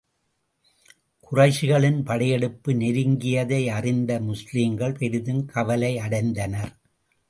குறைஷிகளின் படையெடுப்பு நெருங்கியதை அறிந்த முஸ்லிம்கள் பெரிதும் கவலை அடைந்தனர்.